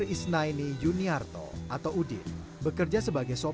ikaf menjaga kesehatan keluarganya